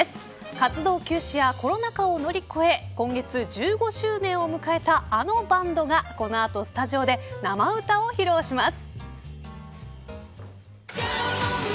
活動休止やコロナ禍を乗り越え今月１５周年を迎えたあのバンドがこの後スタジオで生歌を披露します。